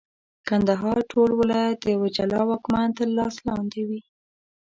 کندهار ټول ولایت د یوه جلا واکمن تر لاس لاندي وي.